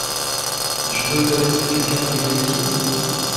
Je vais aux toilettes, quelqu'un veut y aller aussi?